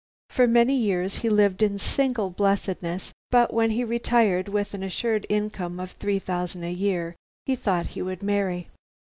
For many years he lived in single blessedness, but when he retired with an assured income of three thousand a year, he thought he would marry.